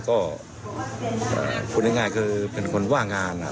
ก็อ่าคุณนักงานคือเป็นคนว่างงานอ่ะ